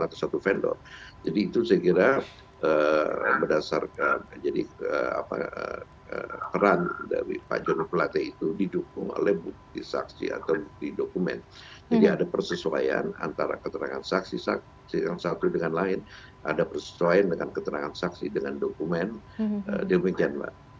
atau suatu vendor jadi itu saya kira berdasarkan jadi apa peran dari pak joni platin itu didukung oleh bukti saksi atau bukti dokumen jadi ada persesuaian antara keterangan saksi saksi yang satu dengan lain ada persesuaian dengan keterangan saksi dengan dokumen demikian pak